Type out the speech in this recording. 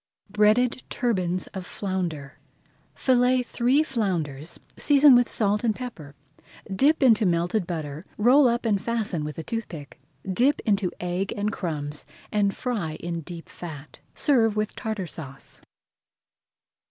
BREADED TURBANS OF FLOUNDER Fillet three flounders, season with salt and pepper, dip into melted butter, roll up and fasten with a toothpick. Dip into egg and crumbs and fry in deep fat. Serve with Tartar Sauce.